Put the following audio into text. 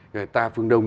người ta phương đông